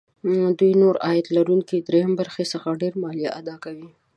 دوی د نورو عاید لرونکو دریم برخې څخه ډېره مالیه اداکوي